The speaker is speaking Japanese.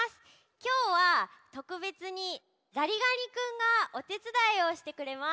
きょうはとくべつにザリガニくんがおてつだいをしてくれます。